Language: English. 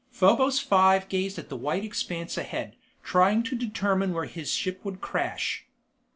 _ Probos Five gazed at the white expanse ahead, trying to determine where his ship would crash.